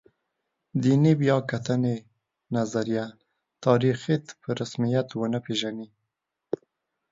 دیني بیا کتنې نظریه تاریخیت په رسمیت ونه پېژني.